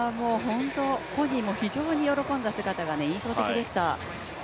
本人の非常に喜んだ姿が印象的でした。